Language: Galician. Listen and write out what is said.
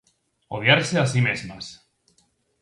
Odiarse a si mesmas.